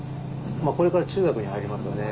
これから中学に入りますよね。